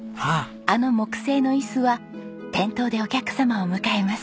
あの木製の椅子は店頭でお客様を迎えます。